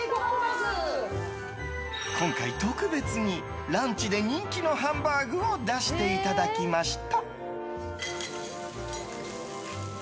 今回、特別にランチで人気のハンバーグを出していただきました。